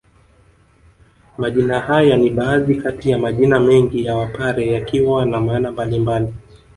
Majina haya ni baadhi kati ya majina mengi ya Wapare yakiwa na maana mbalimbali